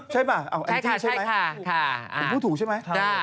ใช่ป่ะอันตรีใช่ไหมพูดถูกใช่ไหมใช่ค่ะค่ะ